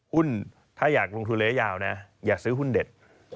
ถ้าอยากลงทุนระยะยาวนะอยากซื้อหุ้นเด็ด